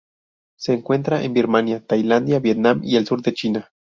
Se encuentra en Birmania, Tailandia, Vietnam y el sur de China.